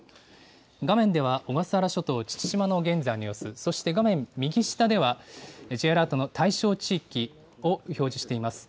画面では小笠原諸島父島の現在の様子、そして画面右下では、Ｊアラートの対象地域を表示しています。